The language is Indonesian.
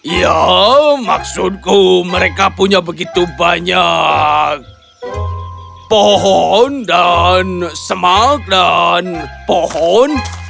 ya maksudku mereka punya begitu banyak pohon dan semak dan pohon